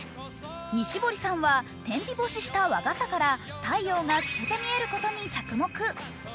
西堀さんは天日干しした和傘から太陽が透けて見えることに着目。